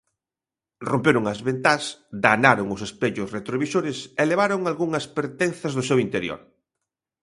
Romperon as ventás, danaron os espellos retrovisores e levaron algunhas pertenzas do seu interior.